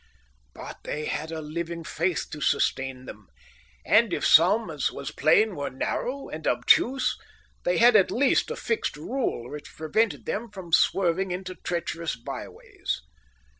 But they had a living faith to sustain them, and if some, as was plain, were narrow and obtuse, they had at least a fixed rule which prevented them from swerving into treacherous byways.